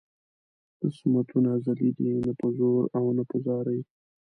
قسمتونه ازلي دي نه په زور او نه په زارۍ.